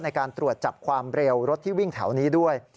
ในการตรวจจับความเร็วรถที่วิ่งแถวนี้ด้วย